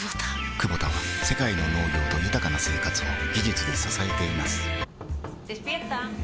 クボタは世界の農業と豊かな生活を技術で支えています起きて。